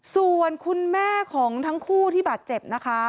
ส่วนคุณแม่ของทั้งคู่ที่บาดเจ็บนะคะ